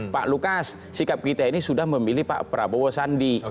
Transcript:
pak lukas sikap kita ini sudah memilih pak prabowo sandi